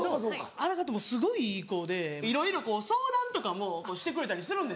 荒川ってもうすごいいい子でいろいろ相談とかもしてくれたりするんです。